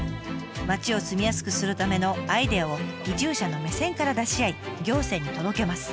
町を住みやすくするためのアイデアを移住者の目線から出し合い行政に届けます。